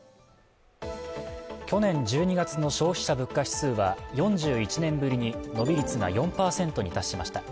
去年１２月の消費者物価指数は４１年ぶりに伸び率が４％に達しました。